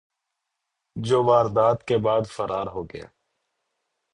جو واردات کے بعد فرار ہو گیا